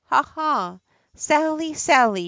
Ha ! ha ! Sally! Sally!